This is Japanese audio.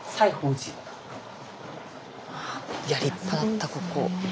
スタジオいや立派だったここ。